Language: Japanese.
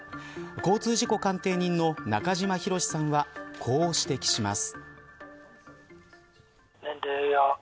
交通事故鑑定人の中島博史さんはこう指摘します。